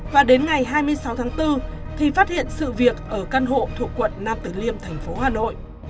và đến ngày hai mươi sáu tháng bốn thì phát hiện sự việc ở căn hộ thuộc quận nam tử liêm thành phố hà nội